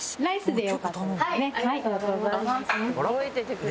ありがとうございます。